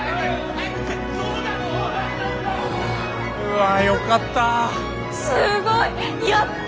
うわよかった。